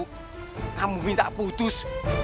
kamu minta putus